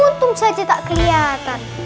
untung saja tak kelihatan